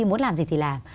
muốn làm gì thì làm